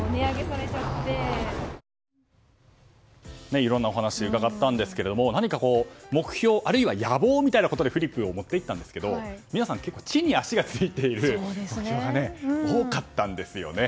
いろんなお話を伺ったんですが何か、目標あるいは野望みたいなことでフリップを持っていったんですが皆さん結構地に足がついている方が多かったんですよね。